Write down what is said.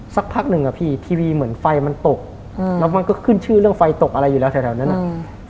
สักพักหนึ่งอ่ะพี่ทีวีเหมือนไฟมันตกอืมแล้วมันก็ขึ้นชื่อเรื่องไฟตกอะไรอยู่แล้วแถวแถวนั้นอ่ะอืม